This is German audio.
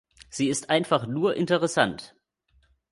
Sie ist einfach „nur“ interessant.